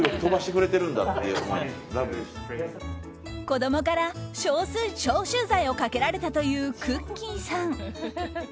子供から消臭剤をかけられたというくっきー！さん。